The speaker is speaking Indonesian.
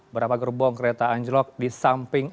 berapa gerbong kereta anjlok di samping